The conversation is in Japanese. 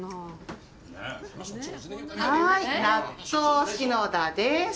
はい納豆信田です。